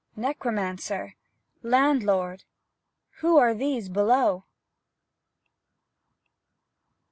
Necromancer, landlord, Who are these below?